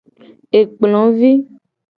Ekplo vi.